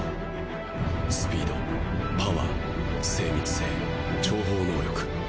スピードパワー精密性諜報能力。